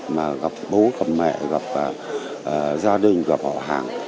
mà gặp bố gặp mẹ gặp gia đình gặp họ hàng